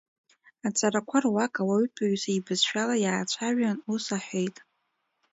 Аҵарақәа руак ауаҩытәыҩса ибызшәала иаацәажәан, ус аҳәеит…